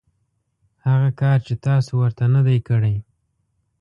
هغه کار چې تاسو ورته نه دی کړی .